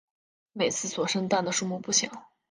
每次所生蛋的数目不详。